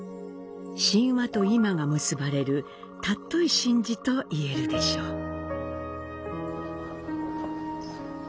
神話と今が結ばれる、尊い神事といえるでしょう。